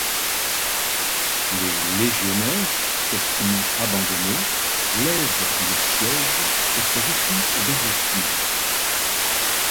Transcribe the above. Les légionnaires, s'estimant abandonnés, lèvent le siège et se replient vers le sud.